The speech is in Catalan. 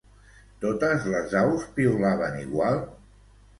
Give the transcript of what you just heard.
Totes les aus piulaven igual?